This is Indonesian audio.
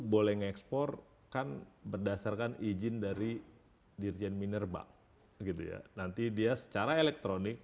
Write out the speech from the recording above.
boleh ngekspor kan berdasarkan izin dari dirjen minerba gitu ya nanti dia secara elektronik